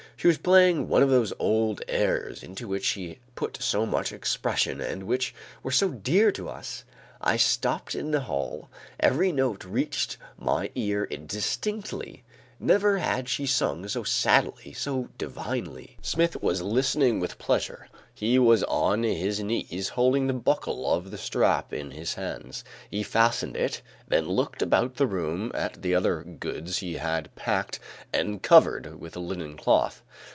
She was playing one of those old airs, into which she put so much expression and which were so dear to us. I stopped in the hall; every note reached my ear distinctly; never had she sung so sadly, so divinely. Smith was listening with pleasure; he was on his knees holding the buckle of the strap in his hands. He fastened it, then looked about the room at the other goods he had packed and covered with a linen cloth.